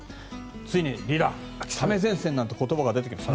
ついにリーダー秋雨前線なんて言葉が出てきました。